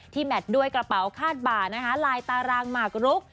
แมทด้วยกระเป๋าคาดบ่านะคะลายตารางหมากรุก